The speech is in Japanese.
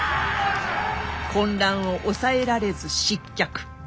混乱を抑えられず失脚。